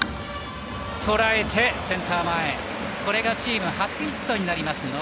捉えてセンター前これがチーム初ヒットになります